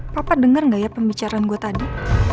papa denger gak ya pembicaraan gua tadi